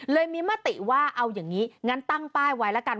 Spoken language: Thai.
เลยมีมติว่าเอาอย่างนี้งั้นตั้งป้ายไว้แล้วกัน